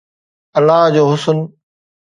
الله جو حسن